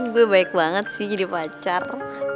gue baik banget sih jadi pacar